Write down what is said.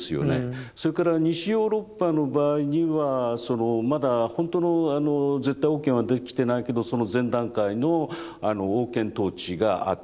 それから西ヨーロッパの場合にはそのまだほんとの絶対王権はできてないけどその前段階の王権統治があったと。